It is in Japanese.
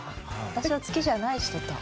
私を好きじゃない人と？